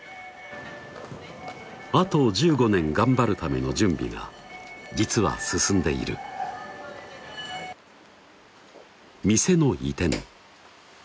あと１５年頑張るための準備が実は進んでいる店の移転